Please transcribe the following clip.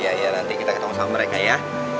iya iya nanti kita ketemu sama mereka ya